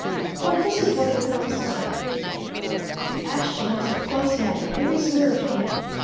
But this is what it comes to: Ashton was a close man, a reserved man.